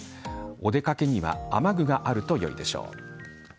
お出掛けには雨具があるとよいでしょう。